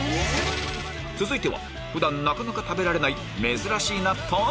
続いては普段なかなか食べられない